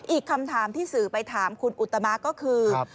อีกคำถามที่สื่อไปถามคุณอุตมะก็คือ